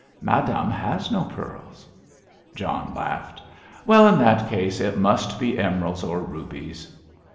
Madame has no pearls." John laughed. "Well, in that case, it must be emeralds or rubies."